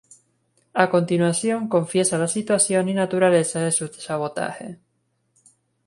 A continuación, confiesa la situación y naturaleza de su sabotaje.